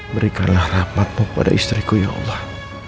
berikanlah rahmatmu pada istriku ya allah